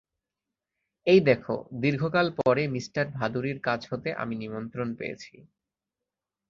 এই দেখো, দীর্ঘকাল পরে মিস্টার ভাদুড়ির কাছ হতে আমি নিমন্ত্রণ পেয়েছি।